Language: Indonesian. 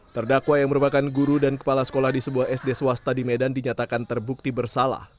terdakwa yang merupakan guru dan kepala sekolah di sebuah sd swasta di medan dinyatakan terbukti bersalah